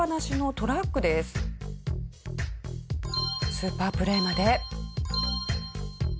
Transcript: スーパープレーまで。